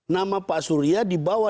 nama pak surya dibawa